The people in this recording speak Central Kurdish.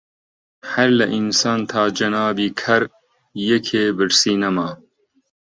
هەر لە ئینسان تا جەنابی کەر یەکێ برسی نەما